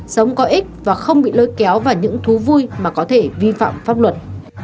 sống có ích và không bị lôi kéo vào những thú vui mà có thể vi phạm pháp luật